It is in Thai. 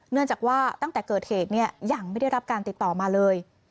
เนื่องจากว่าตั้งแต่เกิดเหตุเนี่ยยังไม่ได้รับการติดต่อมาเลย